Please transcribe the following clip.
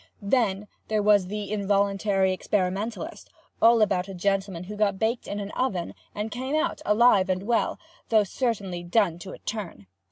] "Then there was 'The Involuntary Experimentalist,' all about a gentleman who got baked in an oven, and came out alive and well, although certainly done to a turn.